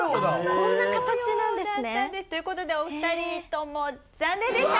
こんな形なんですね。ということでお二人とも残念でした！